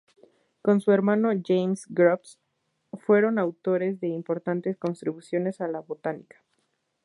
Con su hermano James Groves, fueron autores de importantes contribuciones a la botánica.